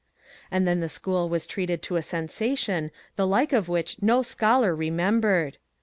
And then the school was treated to a sensation the like of which no scholar remembered.